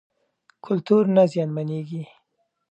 کلتور نه زیانمنېږي.